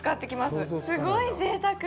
すごいぜいたく！